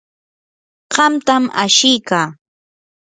qamtam ashiykaa.